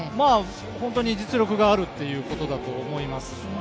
本当に実力があるということだと思います。